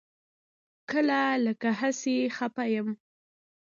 کله لکه هسې خپه یم.